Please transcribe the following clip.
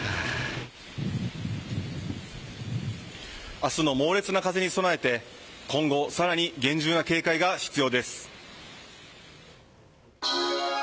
明日の猛烈な風に備えて今後更に厳重な警戒が必要です。